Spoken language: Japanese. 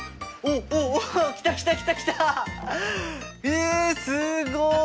えすごい！